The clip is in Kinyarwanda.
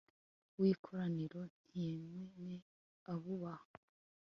rw'ikoraniro nti yemwe abubaha